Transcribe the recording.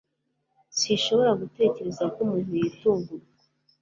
Sinshobora gutekereza ko umuntu yatungurwa.